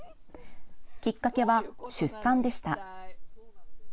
きっかけは出産でした。